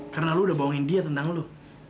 karena lo udah bohongin dia tentang lo